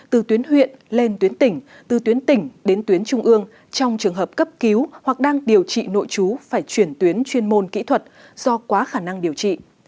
tuyến tỉnh đến tuyến trung ương trong trường hợp cấp cứu hoặc đang điều trị nội trú phải chuyển tuyến chuyên môn kỹ thuật do quá khả năng điều trị